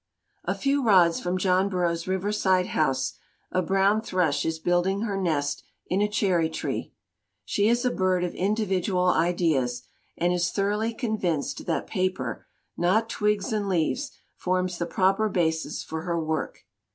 A few rods from John Burroughs's riverside house a brown thrush is building her nest in a cherry tree. She is a bird of individual ideas, and is thoroughly convinced that paper, not twigs and leaves, forms the proper basis for her work.